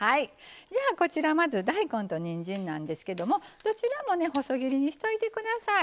こちらまず大根とにんじんなんですけどもどちらも細切りにしといてください。